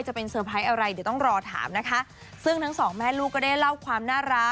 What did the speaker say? จะเป็นเซอร์ไพรส์อะไรเดี๋ยวต้องรอถามนะคะซึ่งทั้งสองแม่ลูกก็ได้เล่าความน่ารัก